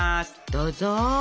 どうぞ。